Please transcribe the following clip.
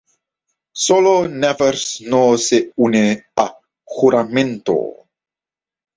Solo Nevers no se une al juramento.